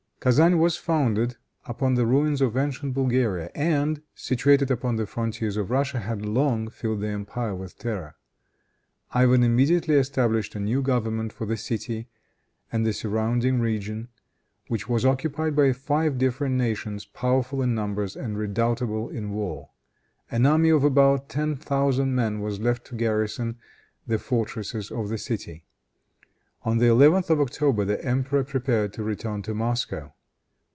Kezan was founded upon the ruins of ancient Bulgaria, and, situated upon the frontiers of Russia, had long filled the empire with terror. Ivan immediately established a new government for the city and the surrounding region, which was occupied by five different nations, powerful in numbers and redoubtable in war. An army of about ten thousand men was left to garrison the fortresses of the city. On the 11th of October the emperor prepared to return to Moscow.